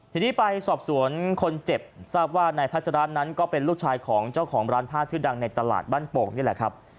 ทีนี้ไปสอบสวนคนเจ็บทราบว่านายพัชราชนั้นก็เป็นลูกชายของเจ้าของร้านผ้าชื่อดังในตลาดบ้านโป่งนี่แหละครับ